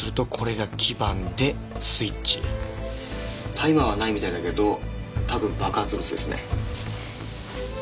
タイマーはないみたいだけど多分爆発物ですね。